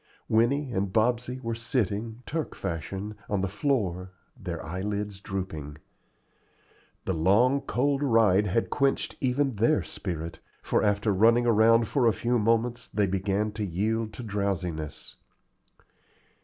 Winnie and Bobsey were sitting, Turk fashion, on the floor, their eyelids drooping. The long cold ride had quenched even their spirit, for after running around for a few moments they began to yield to drowsiness.